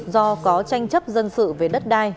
do có tranh chấp dân sự về đất đai